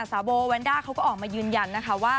สาวโบวันด้าก็ออกมายืนยันนะคะว่า